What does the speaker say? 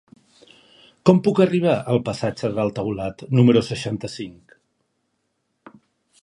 Com puc arribar al passatge del Taulat número seixanta-cinc?